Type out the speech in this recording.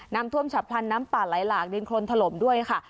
น้ำท่วมฉับพลันน้ำป่าไหลหลากดินโครนถล่มด้วยค่ะ